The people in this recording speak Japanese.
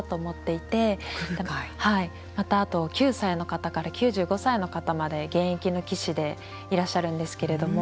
またあと９歳の方から９５歳の方まで現役の棋士でいらっしゃるんですけれども。